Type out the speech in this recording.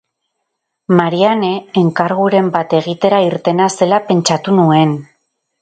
Marianne enkarguren bat egitera irtena zela pentsatu nuen.